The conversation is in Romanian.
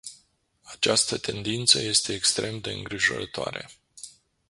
Această tendință este extrem de îngrijorătoare.